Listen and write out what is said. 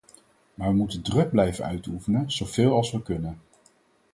Maar we moeten druk blijven uitoefenen, zoveel als we kunnen.